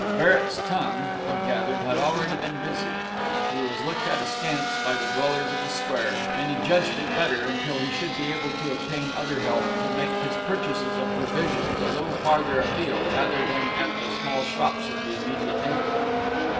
Barrett's tongue, he gathered, had already been busy; he was looked at askance by the dwellers of the square; and he judged it better, until he should be able to obtain other help, to make his purchases of provisions a little farther afield rather than at the small shops of the immediate neighbourhood.